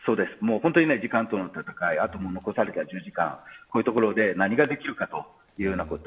本当に時間との闘い残された１０時間ここで何ができるかということ。